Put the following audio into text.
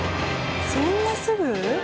そんなすぐ？